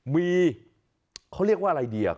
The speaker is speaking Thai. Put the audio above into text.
มีเขาเรียกว่าอะไรดี